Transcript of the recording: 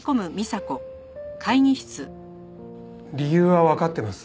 理由はわかってます。